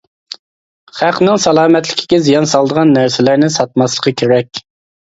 خەقنىڭ سالامەتلىكىگە زىيان سالىدىغان نەرسىلەرنى ساتماسلىقى كېرەك.